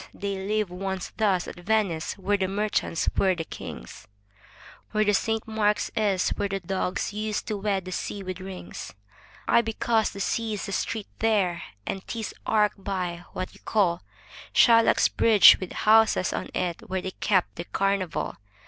they lived once thus at Venice where the merchants were the kings, Where Saint Mark's is, where the Doges used to wed the sea with rings? Ay, because the sea's the street there; and 'tis arched by — what you call — Shylock's bridge with houses on it, where they kept the carnival.